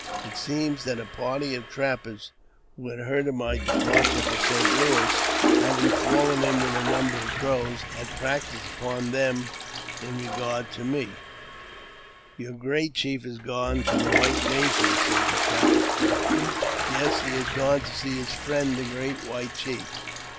It seems that a party of trappers, who had leard of my departure to St. Louis, having fallen in with I number of Crows, had practiced upon them in regard to me, " Your great chief is gone to the white nation," said the rapper spokesman. I' Yes, he has gone to see his friend, the great white chief."